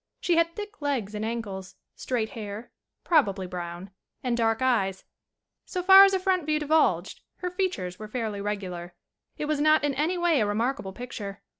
She had thick legs and ankles, straight hair, probably brown, and dark eyes. So far as a front view divulged her features were fairly regular. It was not in any way a remarkable picture.